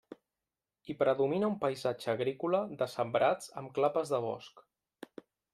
Hi predomina un paisatge agrícola de sembrats amb clapes de bosc.